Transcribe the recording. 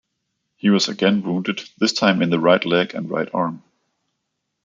He was again wounded, this time in the right leg and right arm.